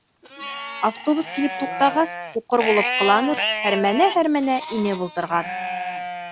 Автобус килеп туҡтағас, һуҡыр булып ҡыланып, һәрмәнә-һәрмәнә инеп ултырған.